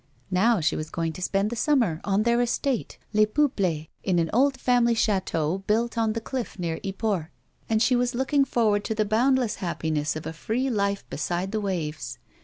Now she was going to spend the summer on their estate, Les Peuples, in an old family ch§,teau built on the cliff near Yport ; and she was looking forward to the boundless happiness of a free life beside the waves.